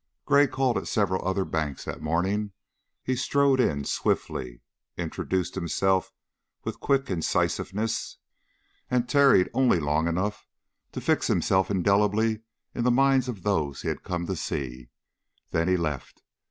Gray called at several other banks that morning. He strode in swiftly, introduced himself with quick incisiveness, and tarried only long enough to fix himself indelibly in the minds of those he had come to see, then he left.